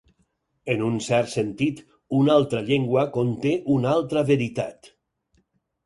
En un cert sentit, una altra llengua conté una altra veritat.